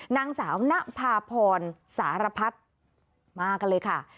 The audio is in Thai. นางสาวณภาพรสารพัฒน์มากันเลยค่ะ